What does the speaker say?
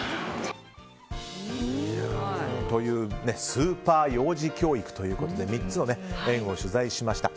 スーパー幼児教育ということで３つの園を取材しました。